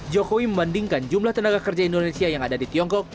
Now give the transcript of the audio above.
jokowi membandingkan jumlah tenaga kerja indonesia yang ada di tiongkok